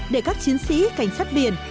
để các chiến sĩ cảnh sát biển